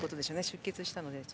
出血したので。